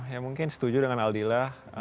ya mungkin setuju dengan aldila